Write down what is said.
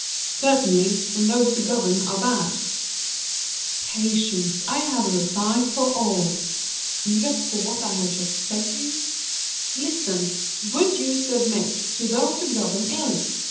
"Certainly, when those who govern are bad." "Patience, I have a reply for all." "Even for what I have just said to you?" "Listen! would you submit to those who govern ill?